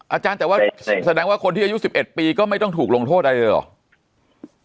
อาจารย์แต่ว่าแสดงว่าคนที่อายุ๑๑ปีก็ไม่ต้องถูกลงโทษอะไรเลยเหรอ